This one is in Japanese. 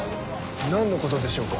なんの事でしょうか？